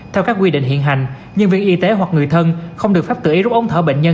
theo các quy định hiện hành nhân viên y tế hoặc người thân không được pháp tự ý rút ống thở bệnh nhân